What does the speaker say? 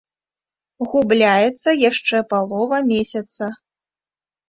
Губляецца яшчэ палова месяца.